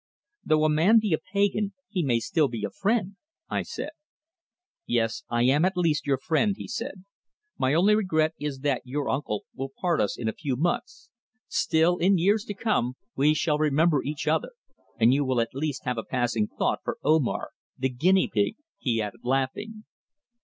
"Though a man be a pagan he may still be a friend," I said. "Yes, I am at least your friend," he said. "My only regret is that your uncle will part us in a few months. Still, in years to come we shall remember each other, and you will at least have a passing thought for Omar, the Guinea Pig," he added, laughing.